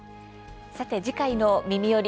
次回の「みみより！